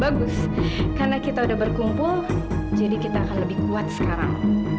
bagus karena kita udah berkumpul jadi kita akan lebih kuat sekarang